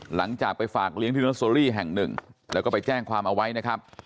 หลังจากไปฝากเลี้ยงที่เนอร์โซลี่แห่งหนึ่งแล้วก็ไปแจ้งความเอาไว้นะครับ